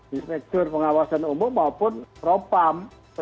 inspektur pengawasan umum maupun propam